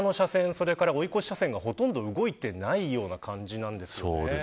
それから追い越し車線は、ほとんど動いてないような感じなんですよね。